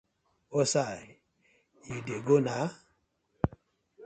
Wusai yu dey go na?